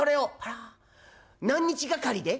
あら何日がかりで？」。